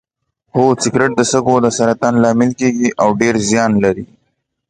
هو سګرټ د سږو د سرطان لامل کیږي او ډیر زیان لري